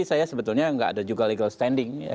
saya sebetulnya nggak ada juga legal standing